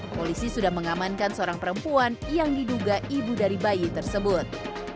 polisi sudah mengamankan seorang perempuan yang diduga ibu dari bayi tersebut